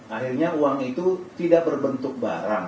akhirnya uang itu tidak berbentuk barang